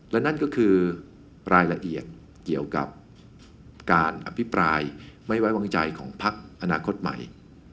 และนั่นก็คือรายละเอียดเกี่ยวกับการอภิปรายไม่ไว้วางใจของพักอนาคตใหม่